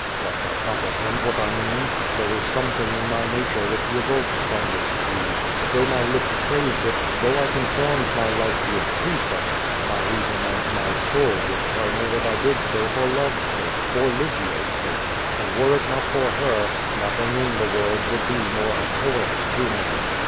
Dost thou comprehend what I mean? There is something in my nature which revolts from this creed. Though my lips praised it, though I conformed my life to its precepts, my reason and my soul M'ould tell me that I did so for love's sake, for Lygia's sake, and were it not for her, no thing in the world would be more abhorrent to me.